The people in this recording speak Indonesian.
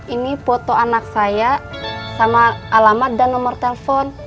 ini foto anak saya sama alamat dan nomor telepon